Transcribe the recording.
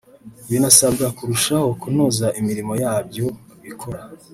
binasabwa kurushaho kunoza imirimo yabyo bikora